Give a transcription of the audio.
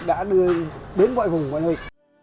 đã đưa đến mọi vùng mọi người